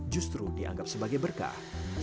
justru dianggap sebagai berkah